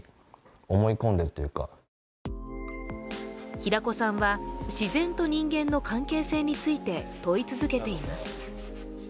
平子さんは自然と人間の関係性について問い続けています。